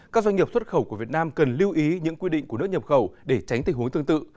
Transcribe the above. các doanh nghiệp xuất khẩu của việt nam cần lưu ý những quy định của nước nhập khẩu để tránh tình huống tương tự